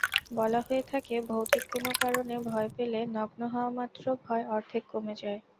বলা হয়ে থাকে-ভৌতিক কোনো কারণে ভয় পেলে নগ্ন হওয়ামাত্র ভয় অর্ধেক কমে যায়।